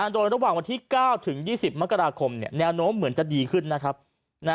โดยระหว่างวันที่๙ถึง๒๐มกราคมแนวโน้มเหมือนจะดีขึ้นนะครับ